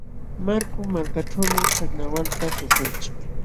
Marku malkaćhuumi karnawalta tuśhunchik.